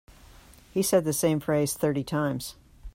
He said the same phrase thirty times.